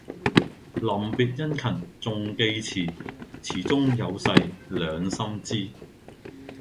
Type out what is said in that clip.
臨別殷勤重寄詞，詞中有誓兩心知。